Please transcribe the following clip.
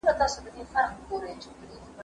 ما پرون د سبا لپاره د يادښتونه بشپړ وکړ!.